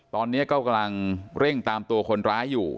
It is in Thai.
ตอนนี้ก็กำลังเร่งตามตัวคนร้ายอยู่